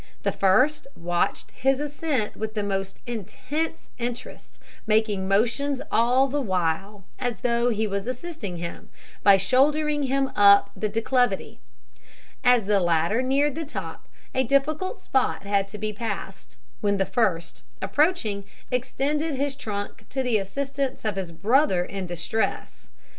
The first watched his ascent with the most intense interest, making motions all the while as though he was assisting him, by shouldering him up the declivity. As the latter neared the top, a difficult spot had to be passed, when the first, approaching, extended his trunk to the assistance of his brother in distress.